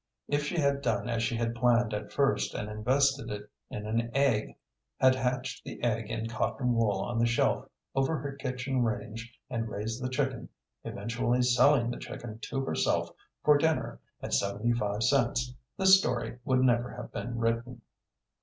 If she had done as she had planned at first and invested it in an egg, had hatched the egg in cotton wool on the shelf over her kitchen range and raised the chicken, eventually selling the chicken to herself for dinner at seventy five cents, this story would never have been written.